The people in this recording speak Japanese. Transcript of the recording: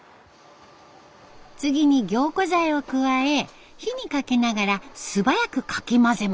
次に凝固剤を加え火にかけながらすばやくかき混ぜます。